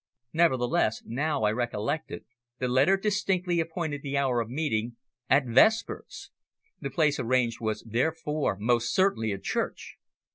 Nevertheless, now I recollected, the letter distinctly appointed the hour of meeting "at vespers." The place arranged was therefore most certainly a church.